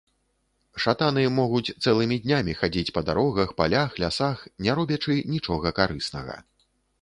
Шатаны могуць цэлымі днямі хадзіць па дарогах, палях, лясах, не робячы нічога карыснага.